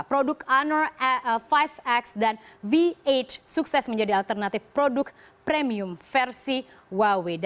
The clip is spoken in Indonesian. produk honor lima x dan v delapan sukses menjadi alternatif produk premium versi huawei